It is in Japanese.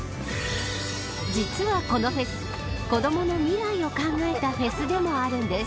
実は、このフェス子どもの未来を考えたフェスでもあるんです。